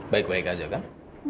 baik baik aja kan